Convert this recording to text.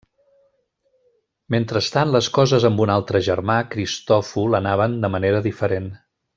Mentrestant les coses amb un altre germà, Cristòfol, anaven de manera diferent.